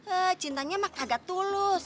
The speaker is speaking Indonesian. eh cintanya mah kagak tulus